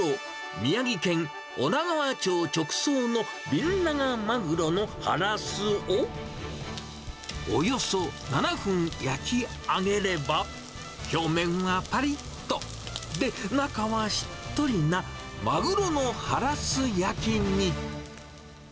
宮城県女川町直送のビンナガマグロのハラスを、およそ７分焼き上げれば、表面はぱりっと、で、中はしっとりなマグロのハラス焼きに。